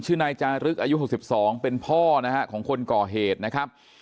นายจารึกอายุ๖๒เป็นพ่อนะฮะของคนก่อเหตุนะครับ